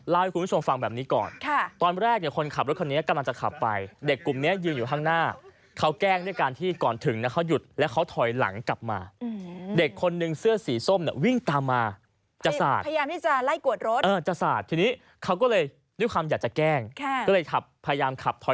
แล้วก็เป็นดินลูกรังดินแดงเลยใช่ไหมครับ